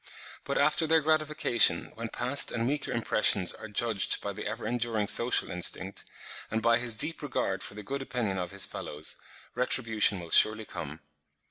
But after their gratification when past and weaker impressions are judged by the ever enduring social instinct, and by his deep regard for the good opinion of his fellows, retribution will surely come.